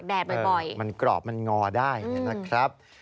ดิฉันชอบเก้าอี้มหาศจรรย์และกระจกร้านของฉัน